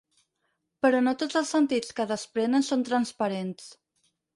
Però no tots els sentits que desprenen són transparents.